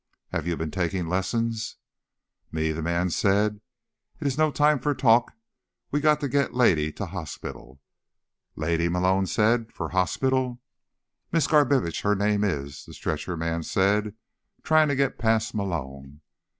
"Have you been taking lessons?" "Me?" the man said. "It is no time for talk. We got to get lady for hospital." "Lady?" Malone said. "For hospital?" "Miss Garbitsch her name is," the stretcher man said, trying to get past Malone.